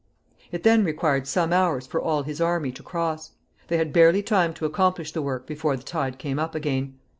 It then required some hours for all his army to cross. They had barely time to accomplish the work before the tide came up again.